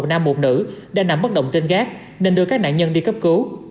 một nam một nữ đang nằm bất động trên gác nên đưa các nạn nhân đi cấp cứu